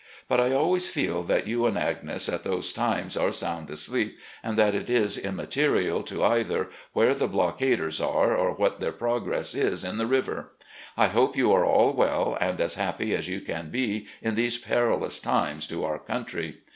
But I always feel that you and Agnes at those times are sotmd asleep, and that it is immaterial to either where the blockaders are or what their progress is in the river. I hope you are all well, and as happy as you can be in these perilous times to our country.